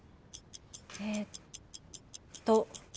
えっと。